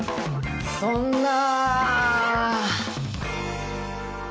そんな！